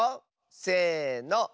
せの。